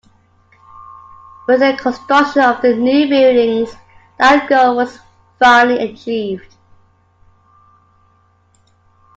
With the construction of the new buildings, that goal was finally achieved.